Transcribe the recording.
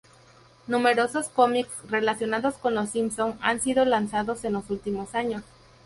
Numerosos cómics relacionados con Los Simpson han sido lanzados en los últimos años.